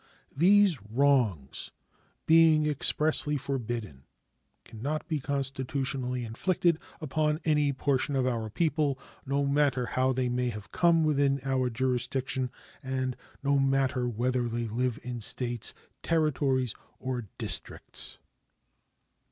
These wrongs, being expressly forbidden, can not be constitutionally inflicted upon any portion of our people, no matter how they may have come within our jurisdiction, and no matter whether they live in States, Territories, or districts.